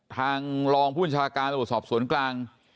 ทางรองผู้บัญชาการตำรวจสอบสวนกลาง